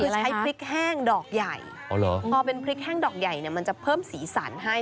คือใช้พริกแห้งดอกใหญ่พอเป็นพริกแห้งดอกใหญ่เนี่ยมันจะเพิ่มสีสันให้